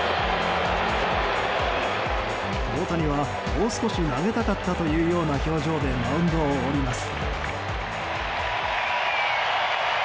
大谷は、もう少し投げたかったというような表情でマウンドを降ります。